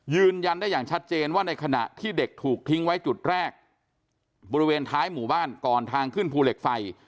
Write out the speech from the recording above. ยืนยันได้อย่างชัดเจนว่าในขณะที่เด็กถูกทิ้งไว้จุดแรกบริเวณท้ายหมู่บ้านก่อนทางขึ้นภูเหล็กไฟ